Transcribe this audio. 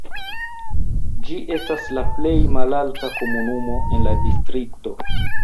Ĝi estas la plej malalta komunumo en la distrikto.